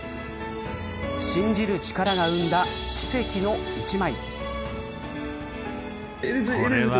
信じる力が生んだ奇跡の一枚。